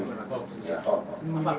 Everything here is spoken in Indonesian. membalkan bau sinyal apa di jenderal